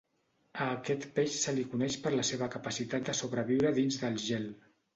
A aquest peix se li coneix per la seva capacitat de sobreviure dins del gel.